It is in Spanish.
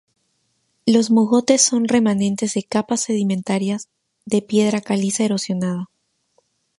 Los mogotes son remanentes de capas sedimentarias de piedra caliza erosionada.